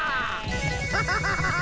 ハハハハ！